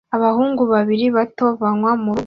Abahungu babiri bato banywa murugo